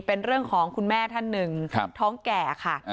เป็นเรื่องของคุณแม่ถ้า๑ท้องแก่ค่ะ